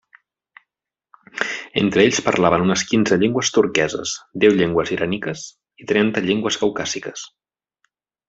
Entre ells, parlaven unes quinze llengües turqueses, deu llengües iràniques i trenta llengües caucàsiques.